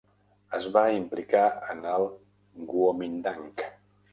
Es va implicar en el Guomindang.